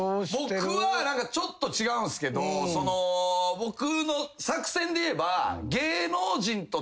僕はちょっと違うけど僕の作戦で言えば。